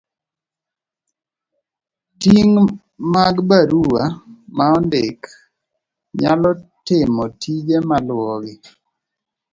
Ting ' mag barua maondik nyalo timo tije maluwogi.